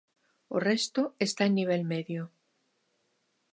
O resto está en nivel medio.